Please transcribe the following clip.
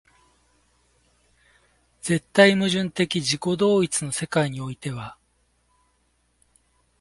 絶対矛盾的自己同一の世界においては、